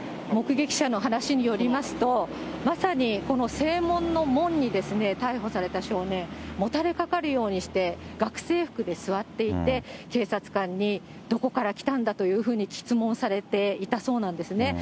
目撃者の話によりますと、まさにこの正門の門に、逮捕された少年、もたれかかるようにして、学生服で座っていて、警察官にどこから来たんだというふうに詰問されていたそうなんですね。